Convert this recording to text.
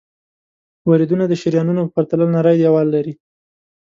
وریدونه د شریانونو په پرتله نری دیوال لري.